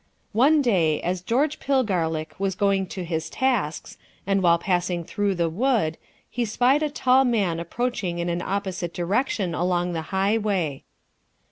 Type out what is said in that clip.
One day as George Pillgarlic was going to his tasks, and while passing through the wood, he spied a tall man approaching in an opposite direction along the highway.